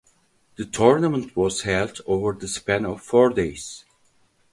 The tournament was held over the span of four days.